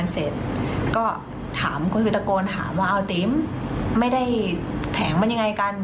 เพราะแม่เรียกคนงานเสร็จก็ถาม